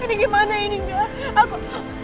ini gimana ini enggak aku